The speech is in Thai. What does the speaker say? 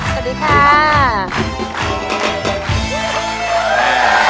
สอดีค่า